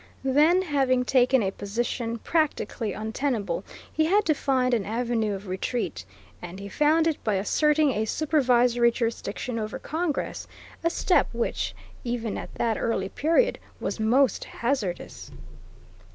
Then, having taken a position practically untenable, he had to find an avenue of retreat, and he found it by asserting a supervisory jurisdiction over Congress, a step which, even at that early period, was most hazardous.